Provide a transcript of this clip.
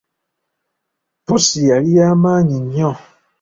Pussi yali ya maanyi nnyo.